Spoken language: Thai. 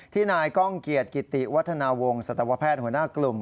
นายก้องเกียรติกิติวัฒนาวงศัตวแพทย์หัวหน้ากลุ่ม